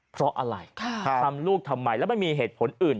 เพราะอะไรทำลูกทำไมแล้วมันมีเหตุผลอื่น